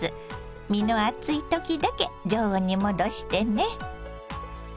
身の厚い時だけ常温に戻してね。